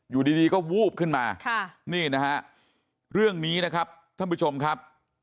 อยู่ดีก็วูบขึ้นมานี่นะฮะเรื่องนี้นะครับท่านผู้ชมครับ